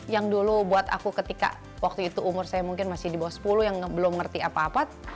yang dulu buat aku ketika waktu itu umur saya mungkin masih di bawah sepuluh yang belum ngerti apa apa